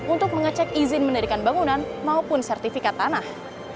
untuk mengecek izin mendirikan bangunan maupun sertifikat tanah